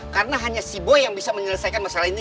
karena hanya si boy yang bisa menyelesaikan masalah ini